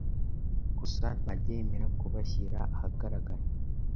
gusa ntajya yemera kubashyira ahagaragara